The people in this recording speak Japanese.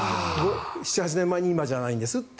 ７８年前に今じゃないんですと。